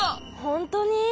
ほんとに？